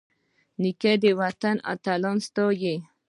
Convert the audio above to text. نیکه د وطن اتلان ستايي.